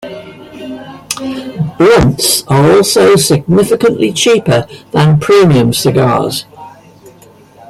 Blunts are also significantly cheaper than premium cigars.